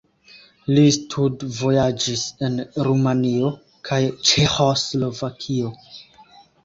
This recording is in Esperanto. Li studvojaĝis en Rumanio kaj Ĉeĥoslovakio.